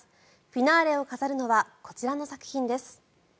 フィナーレを飾るのはこちらの作品です。